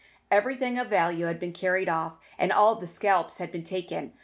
Everything of value had been carried off, and all the scalps had been taken.